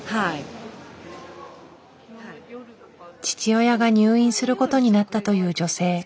父親が入院することになったという女性。